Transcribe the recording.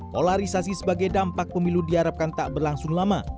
polarisasi sebagai dampak pemilu diharapkan tak berlangsung lama